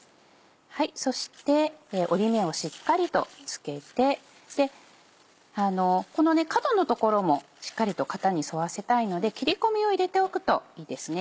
そして折り目をしっかりと付けてこの角の所もしっかりと型に沿わせたいので切り込みを入れておくといいですね。